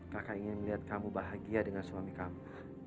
kakak ingin melihat kamu bahagia dengan suami kamu